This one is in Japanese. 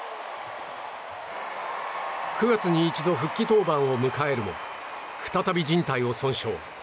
９月に一度、復帰登板を迎えるも再び、じん帯を損傷。